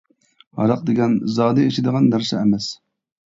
ھاراق دېگەن زادى ئىچىدىغان نەرسە ئەمەس.